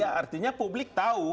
iya artinya publik tahu